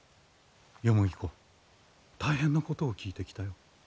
子大変なことを聞いてきたよ。